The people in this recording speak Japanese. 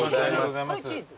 これチーズ？